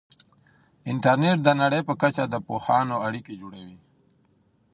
انټرنیټ د نړۍ په کچه د پوهانو اړیکې جوړوي.